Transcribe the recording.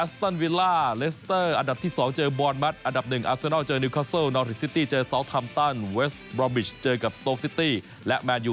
ส่วนคู่สุดท้าย